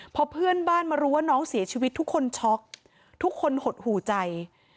พอเพื่อนบ้านมารู้ว่าน้องเสียชีวิตทุกคนช็อกทุกคนหดหูใจ